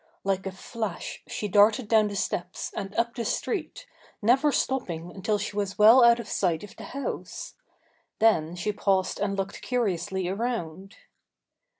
Like a flash she darted down the steps and up the street, never stopping until she was well out of sight of the house. Then she paused and looked curiously around.